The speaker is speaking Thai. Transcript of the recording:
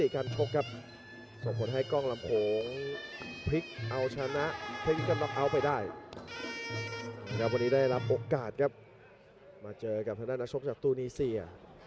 ครับวันนี้ได้รับโอกาสครับมาเจอกับสหรัฐนักชกจากตูนีเซีย